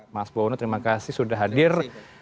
mas bowono terima kasih sudah hadir